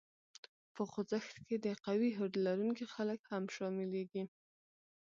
په خوځښت کې د قوي هوډ لرونکي خلک هم شامليږي.